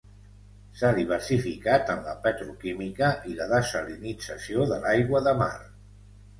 S'ha diversificat en la petroquímica i la dessalinització de l'aigua de mar.